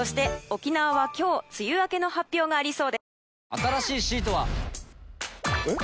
新しいシートは。えっ？